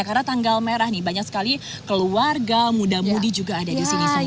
karena tanggal merah nih banyak sekali keluarga muda mudi juga ada di sini semua